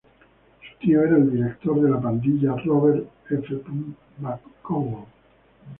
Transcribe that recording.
Su tío era el director de "La Pandilla" Robert F. McGowan.